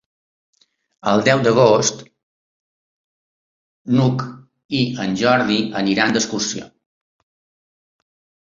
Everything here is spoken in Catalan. El deu d'agost n'Hug i en Jordi aniran d'excursió.